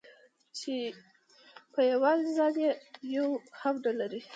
چې په يوازې ځان يې يو هم نه لري.